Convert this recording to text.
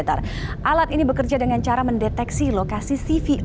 antaraalia vision selanjutnya gabung mscdeal chaos